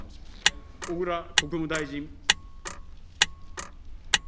小倉国務大臣。